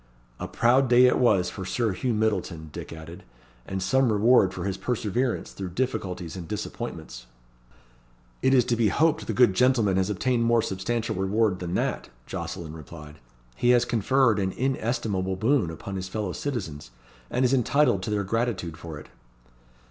"A proud day it was for Sir Hugh Myddleton," Dick added; "and some reward for his perseverance through difficulties and disappointments." "It is to be hoped the good gentleman has obtained more substantial reward than that," Jocelyn replied. "He has conferred an inestimable boon upon his fellow citizens, and is entitled to their gratitude for it."